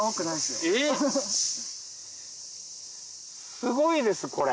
すごいですこれ。